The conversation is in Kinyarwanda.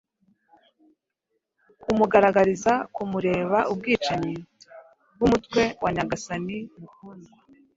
Kumugaragariza kumureba ubwicanyi bwumutwe wa nyagasani mukundwa,